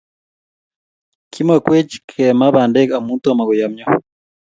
Kimakwech kee maa bandek amu tomo koyomyo